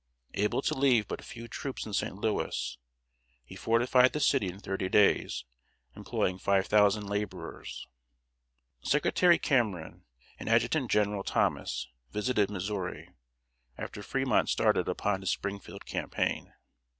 Able to leave but few troops in St. Louis, he fortified the city in thirty days, employing five thousand laborers. Secretary Cameron and Adjutant General Thomas visited Missouri, after Fremont started upon his Springfield campaign.